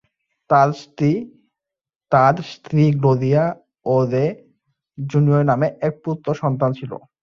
তাঁর স্ত্রী গ্লোরিয়া ও রে জুনিয়র নামে এক পুত্র সন্তান ছিল।